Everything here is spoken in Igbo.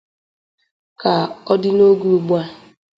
Ka ọ dị n'oge ugbua